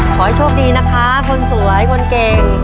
ขอให้โชคดีนะคะคนสวยคนเก่ง